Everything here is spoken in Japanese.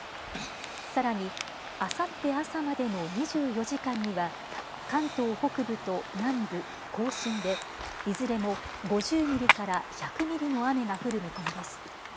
さらに、あさって朝までの２４時間には関東北部と南部、甲信でいずれも５０ミリから１００ミリの雨が降る見込みです。